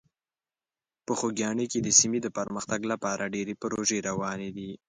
په خوږیاڼي کې د سیمې د پرمختګ لپاره ډېرې پروژې روانې دي.